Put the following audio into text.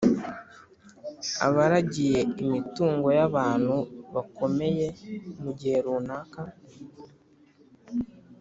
abaragiye imitungo y'abantu bakomeye)mu gihe runaka